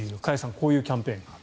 こういうキャンペーンがある。